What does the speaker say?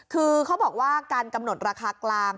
คือเขาบอกว่าการกำหนดราคากลาง